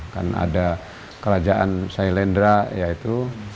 kan ada kerajaan sailendra ya itu